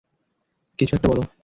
কিছু একটা বলো।